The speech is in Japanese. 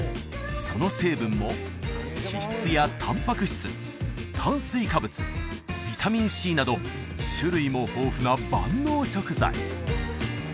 その成分も脂質やたんぱく質炭水化物ビタミンＣなど種類も豊富な万能食材